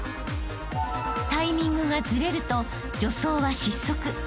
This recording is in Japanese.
［タイミングがずれると助走は失速］